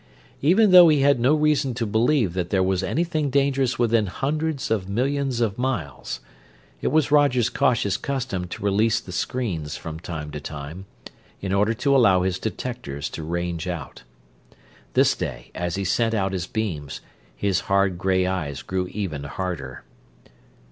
Even though he had no reason to believe that there was anything dangerous within hundreds of millions of miles, it was Roger's cautious custom to release the screens from time to time, in order to allow his detectors to range out. This day, as he sent out his beams, his hard gray eyes grew even harder.